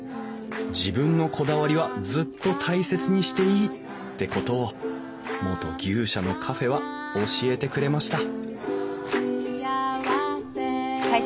自分のこだわりはずっと大切にしていいってことを元牛舎のカフェは教えてくれました